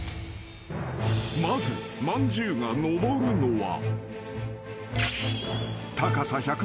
［まずまんじゅうが上るのは］